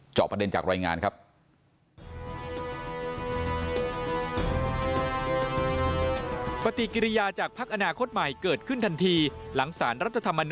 จอบประเด็นจากรายงานครับ